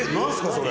それ。